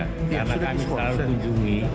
karena kami selalu kunjungi